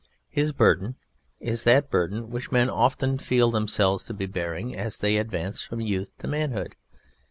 His BURDEN _is that Burden which men often feel themselves to be bearing as they advance from youth to manhood.